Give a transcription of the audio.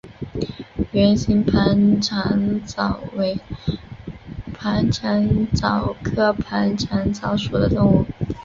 圆形盘肠蚤为盘肠蚤科盘肠蚤属的动物。